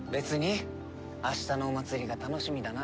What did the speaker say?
明日のお祭りが楽しみだなあって。